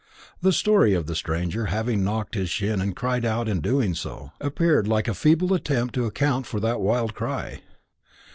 The story of the stranger having knocked his shin and cried out on doing so, appeared like a feeble attempt to account for that wild cry.